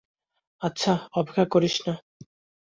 আমার অপেক্ষা করিস না।